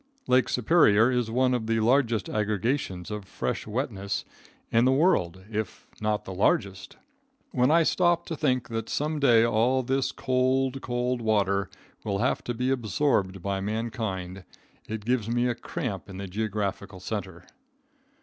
Lake Superior is one of the largest aggregations of fresh wetness in the world, if not the largest. When I stop to think that some day all this cold, cold water will have to be absorbed by mankind, it gives me a cramp in the geographical center.